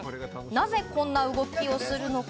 なぜこんな動きをするのか？